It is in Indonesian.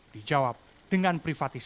dijawab dengan privilis